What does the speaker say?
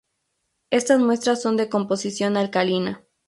Estas muestras son de composición alcalina.